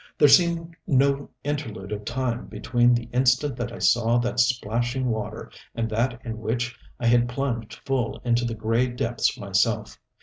There seemed no interlude of time between the instant that I saw that splashing water and that in which I had plunged full into the gray depths myself.